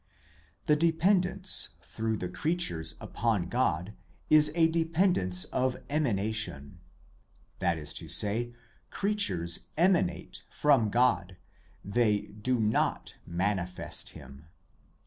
The dependence through the creatures upon God is a dependence of emanation: that is to say, creatures emanate from God, they do not manifest Him.